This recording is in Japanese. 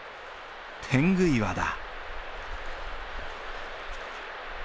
天狗岩だ。